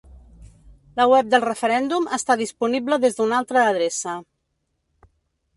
La web del referèndum està disponible des d'una altra adreça.